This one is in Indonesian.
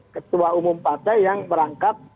ketua umum partai yang merangkap